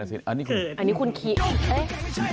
อันนี้คุณเคียน